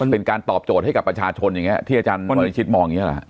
เป็นการตอบโจทย์ให้กับประชาชนอย่างนี้ที่อาจารย์วรวิชิตมองอย่างนี้หรอ